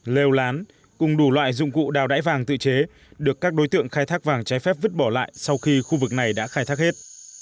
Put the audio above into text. lêu lán cùng đủ loại dụng cụ đào đáy vàng tự chế được các đối tượng khai thác vàng trái phép vứt bỏ lại sau khi khu vực này đã khai thác hết